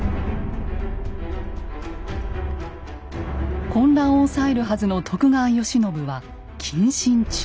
混乱を抑えるはずの徳川慶喜は謹慎中。